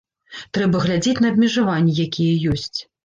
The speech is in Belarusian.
Трэба глядзець на абмежаванні, якія ёсць.